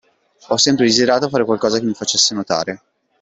Ho sempre desiderato fare qualcosa che mi facesse notare.